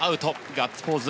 ガッツポーズ。